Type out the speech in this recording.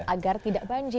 agar tidak banjir